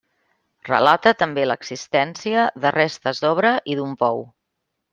Relata també l'existència de restes d'obra i d'un pou.